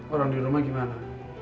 orang di rumah gimana